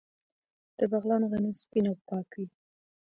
د بغلان غنم سپین او پاک وي.